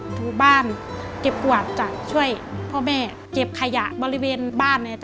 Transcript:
ถูบ้านเก็บกวาดจ้ะช่วยพ่อแม่เก็บขยะบริเวณบ้านเนี่ย